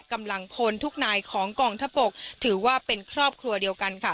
กำลังพลทุกนายของกองทัพบกถือว่าเป็นครอบครัวเดียวกันค่ะ